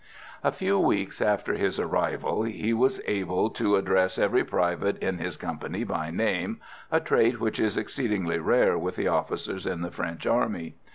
A few weeks after his arrival he was able to address every private in his company by name, a trait which is exceedingly rare with the officers in the French army.